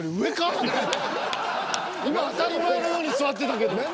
今当たり前のように座ってたけど。